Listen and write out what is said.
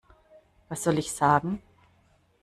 Was soll ich sagen?